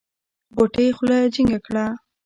غوټۍ خوله جينګه کړه.